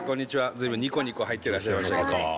随分ニコニコ入ってらっしゃいましたけど。